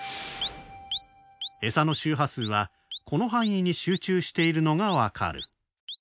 エサの周波数はこの範囲に集中しているのが分かる。